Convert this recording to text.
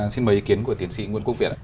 xin mời ý kiến của tiến sĩ nguyễn quốc việt ạ